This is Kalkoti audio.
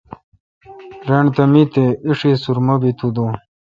رݨ تہ می تے°ایݭی سرمہ بی تو دون۔